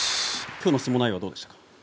きょうの相撲内容はどうですか。